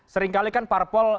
seringkali kan parpol